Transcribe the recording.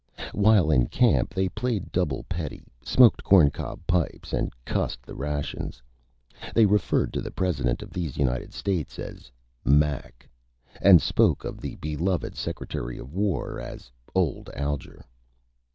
While in Camp they played Double Pedie, smoked Corn Cob Pipes, and cussed the Rations. They referred to the President of these United States as "Mac," and spoke of the beloved Secretary of War as "Old Alger."